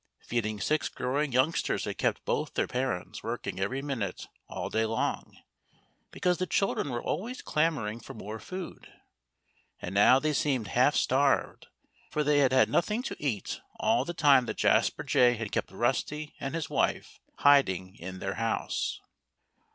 Feeding six growing youngsters had kept both their parents working every minute all day long, because the children were always clamoring for more food. And now they seemed half starved, for they had had nothing to eat all the time that Jasper Jay had kept Rusty and his wife hiding in their house.